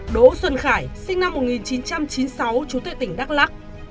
đỗ xuân khải sinh năm một nghìn chín trăm chín mươi sáu trú tại tỉnh đắk lắc